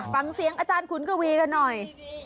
ฟังเสียงอาจารย์ขุนกวีกันหน่อย